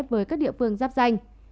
với các địa phương giáp danh